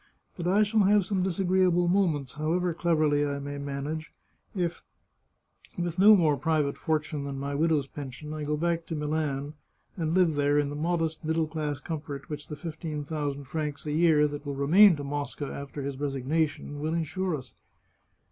But I shall have some disagreeable moments, however clev erly I may manage, if with no more private fortune than my widow's pension, I go back to Milan, and live there in the modest middle class comfort which the fifteen thousand francs a year that will remain to Mosca after his resignation will insure us.